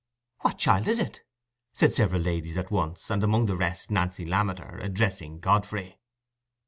"What child is it?" said several ladies at once, and, among the rest, Nancy Lammeter, addressing Godfrey.